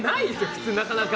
普通、なかなか。